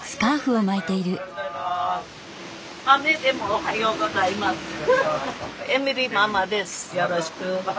おはようございます。